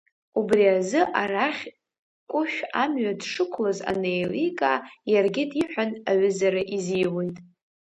Убриазы, арахь Кәышә амҩа дшықәлоз анеиликаа, иаргьы диҳәан, аҩызара изиуит.